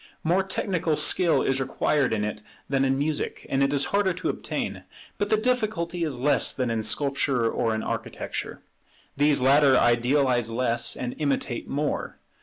More technical skill is required in it than in music, and it is harder to obtain; but the difficulty is less than in Sculpture or in Architecture. These latter idealize less, and imitate more.